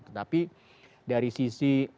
tetapi dari sisi